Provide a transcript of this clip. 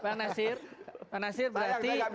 bang nasir berarti